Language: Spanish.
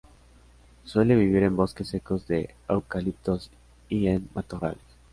Suele vivir en bosques secos de eucaliptos y en matorrales.